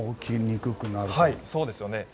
そうですよね。